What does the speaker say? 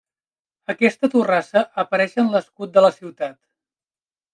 Aquesta torrassa apareix en l'escut de la ciutat.